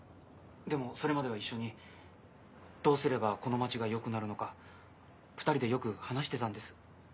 でもそれまでは一緒にどうすればこの町が良くなるのか２人でよく話してたんです。